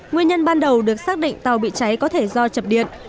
nguyên nhân ban đầu được xác định tàu bị cháy có thể do chập điện